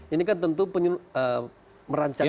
ini kan tentu merancangkan